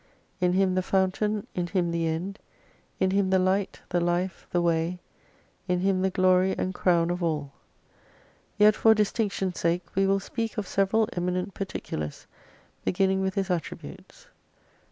In Him the Fountain, in Him the End, in Him the Light, the Life, the Way, in Him the glory and crown of all. Yet for distinction sake we will speak of several eminent particulars, beginning with His attributes.